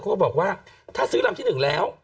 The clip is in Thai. เขาก็บอกว่าถ้าซื้อลำที่หนึ่งแล้ว